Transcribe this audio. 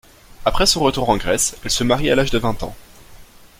Après son retour en Grèce, elle se marie à l'âge de vingt ans.